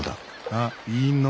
あっいいの。